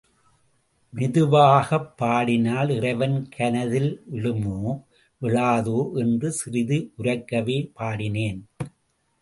மெதுவாகப்பாடினால் இறைவன் கனதில் விழுமோ விழாதோ என்று சிறிது உரக்கவே பாடினேன்.